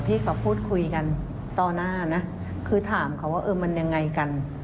ที่เขาพูดคุยกันต่อหน้านะคือถามเขาว่าเออมันยังไงกัน